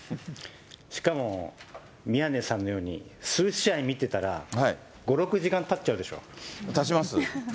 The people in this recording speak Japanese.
しかも宮根さんのように、数試合見てたら、５、たちます。